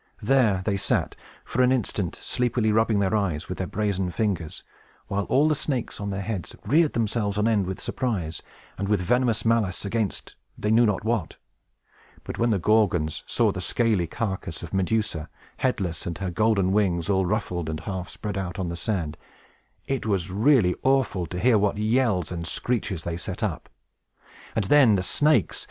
There they sat, for an instant, sleepily rubbing their eyes with their brazen fingers, while all the snakes on their heads reared themselves on end with surprise, and with venomous malice against they knew not what. But when the Gorgons saw the scaly carcass of Medusa, headless, and her golden wings all ruffled, and half spread out on the sand, it was really awful to hear what yells and screeches they set up. And then the snakes!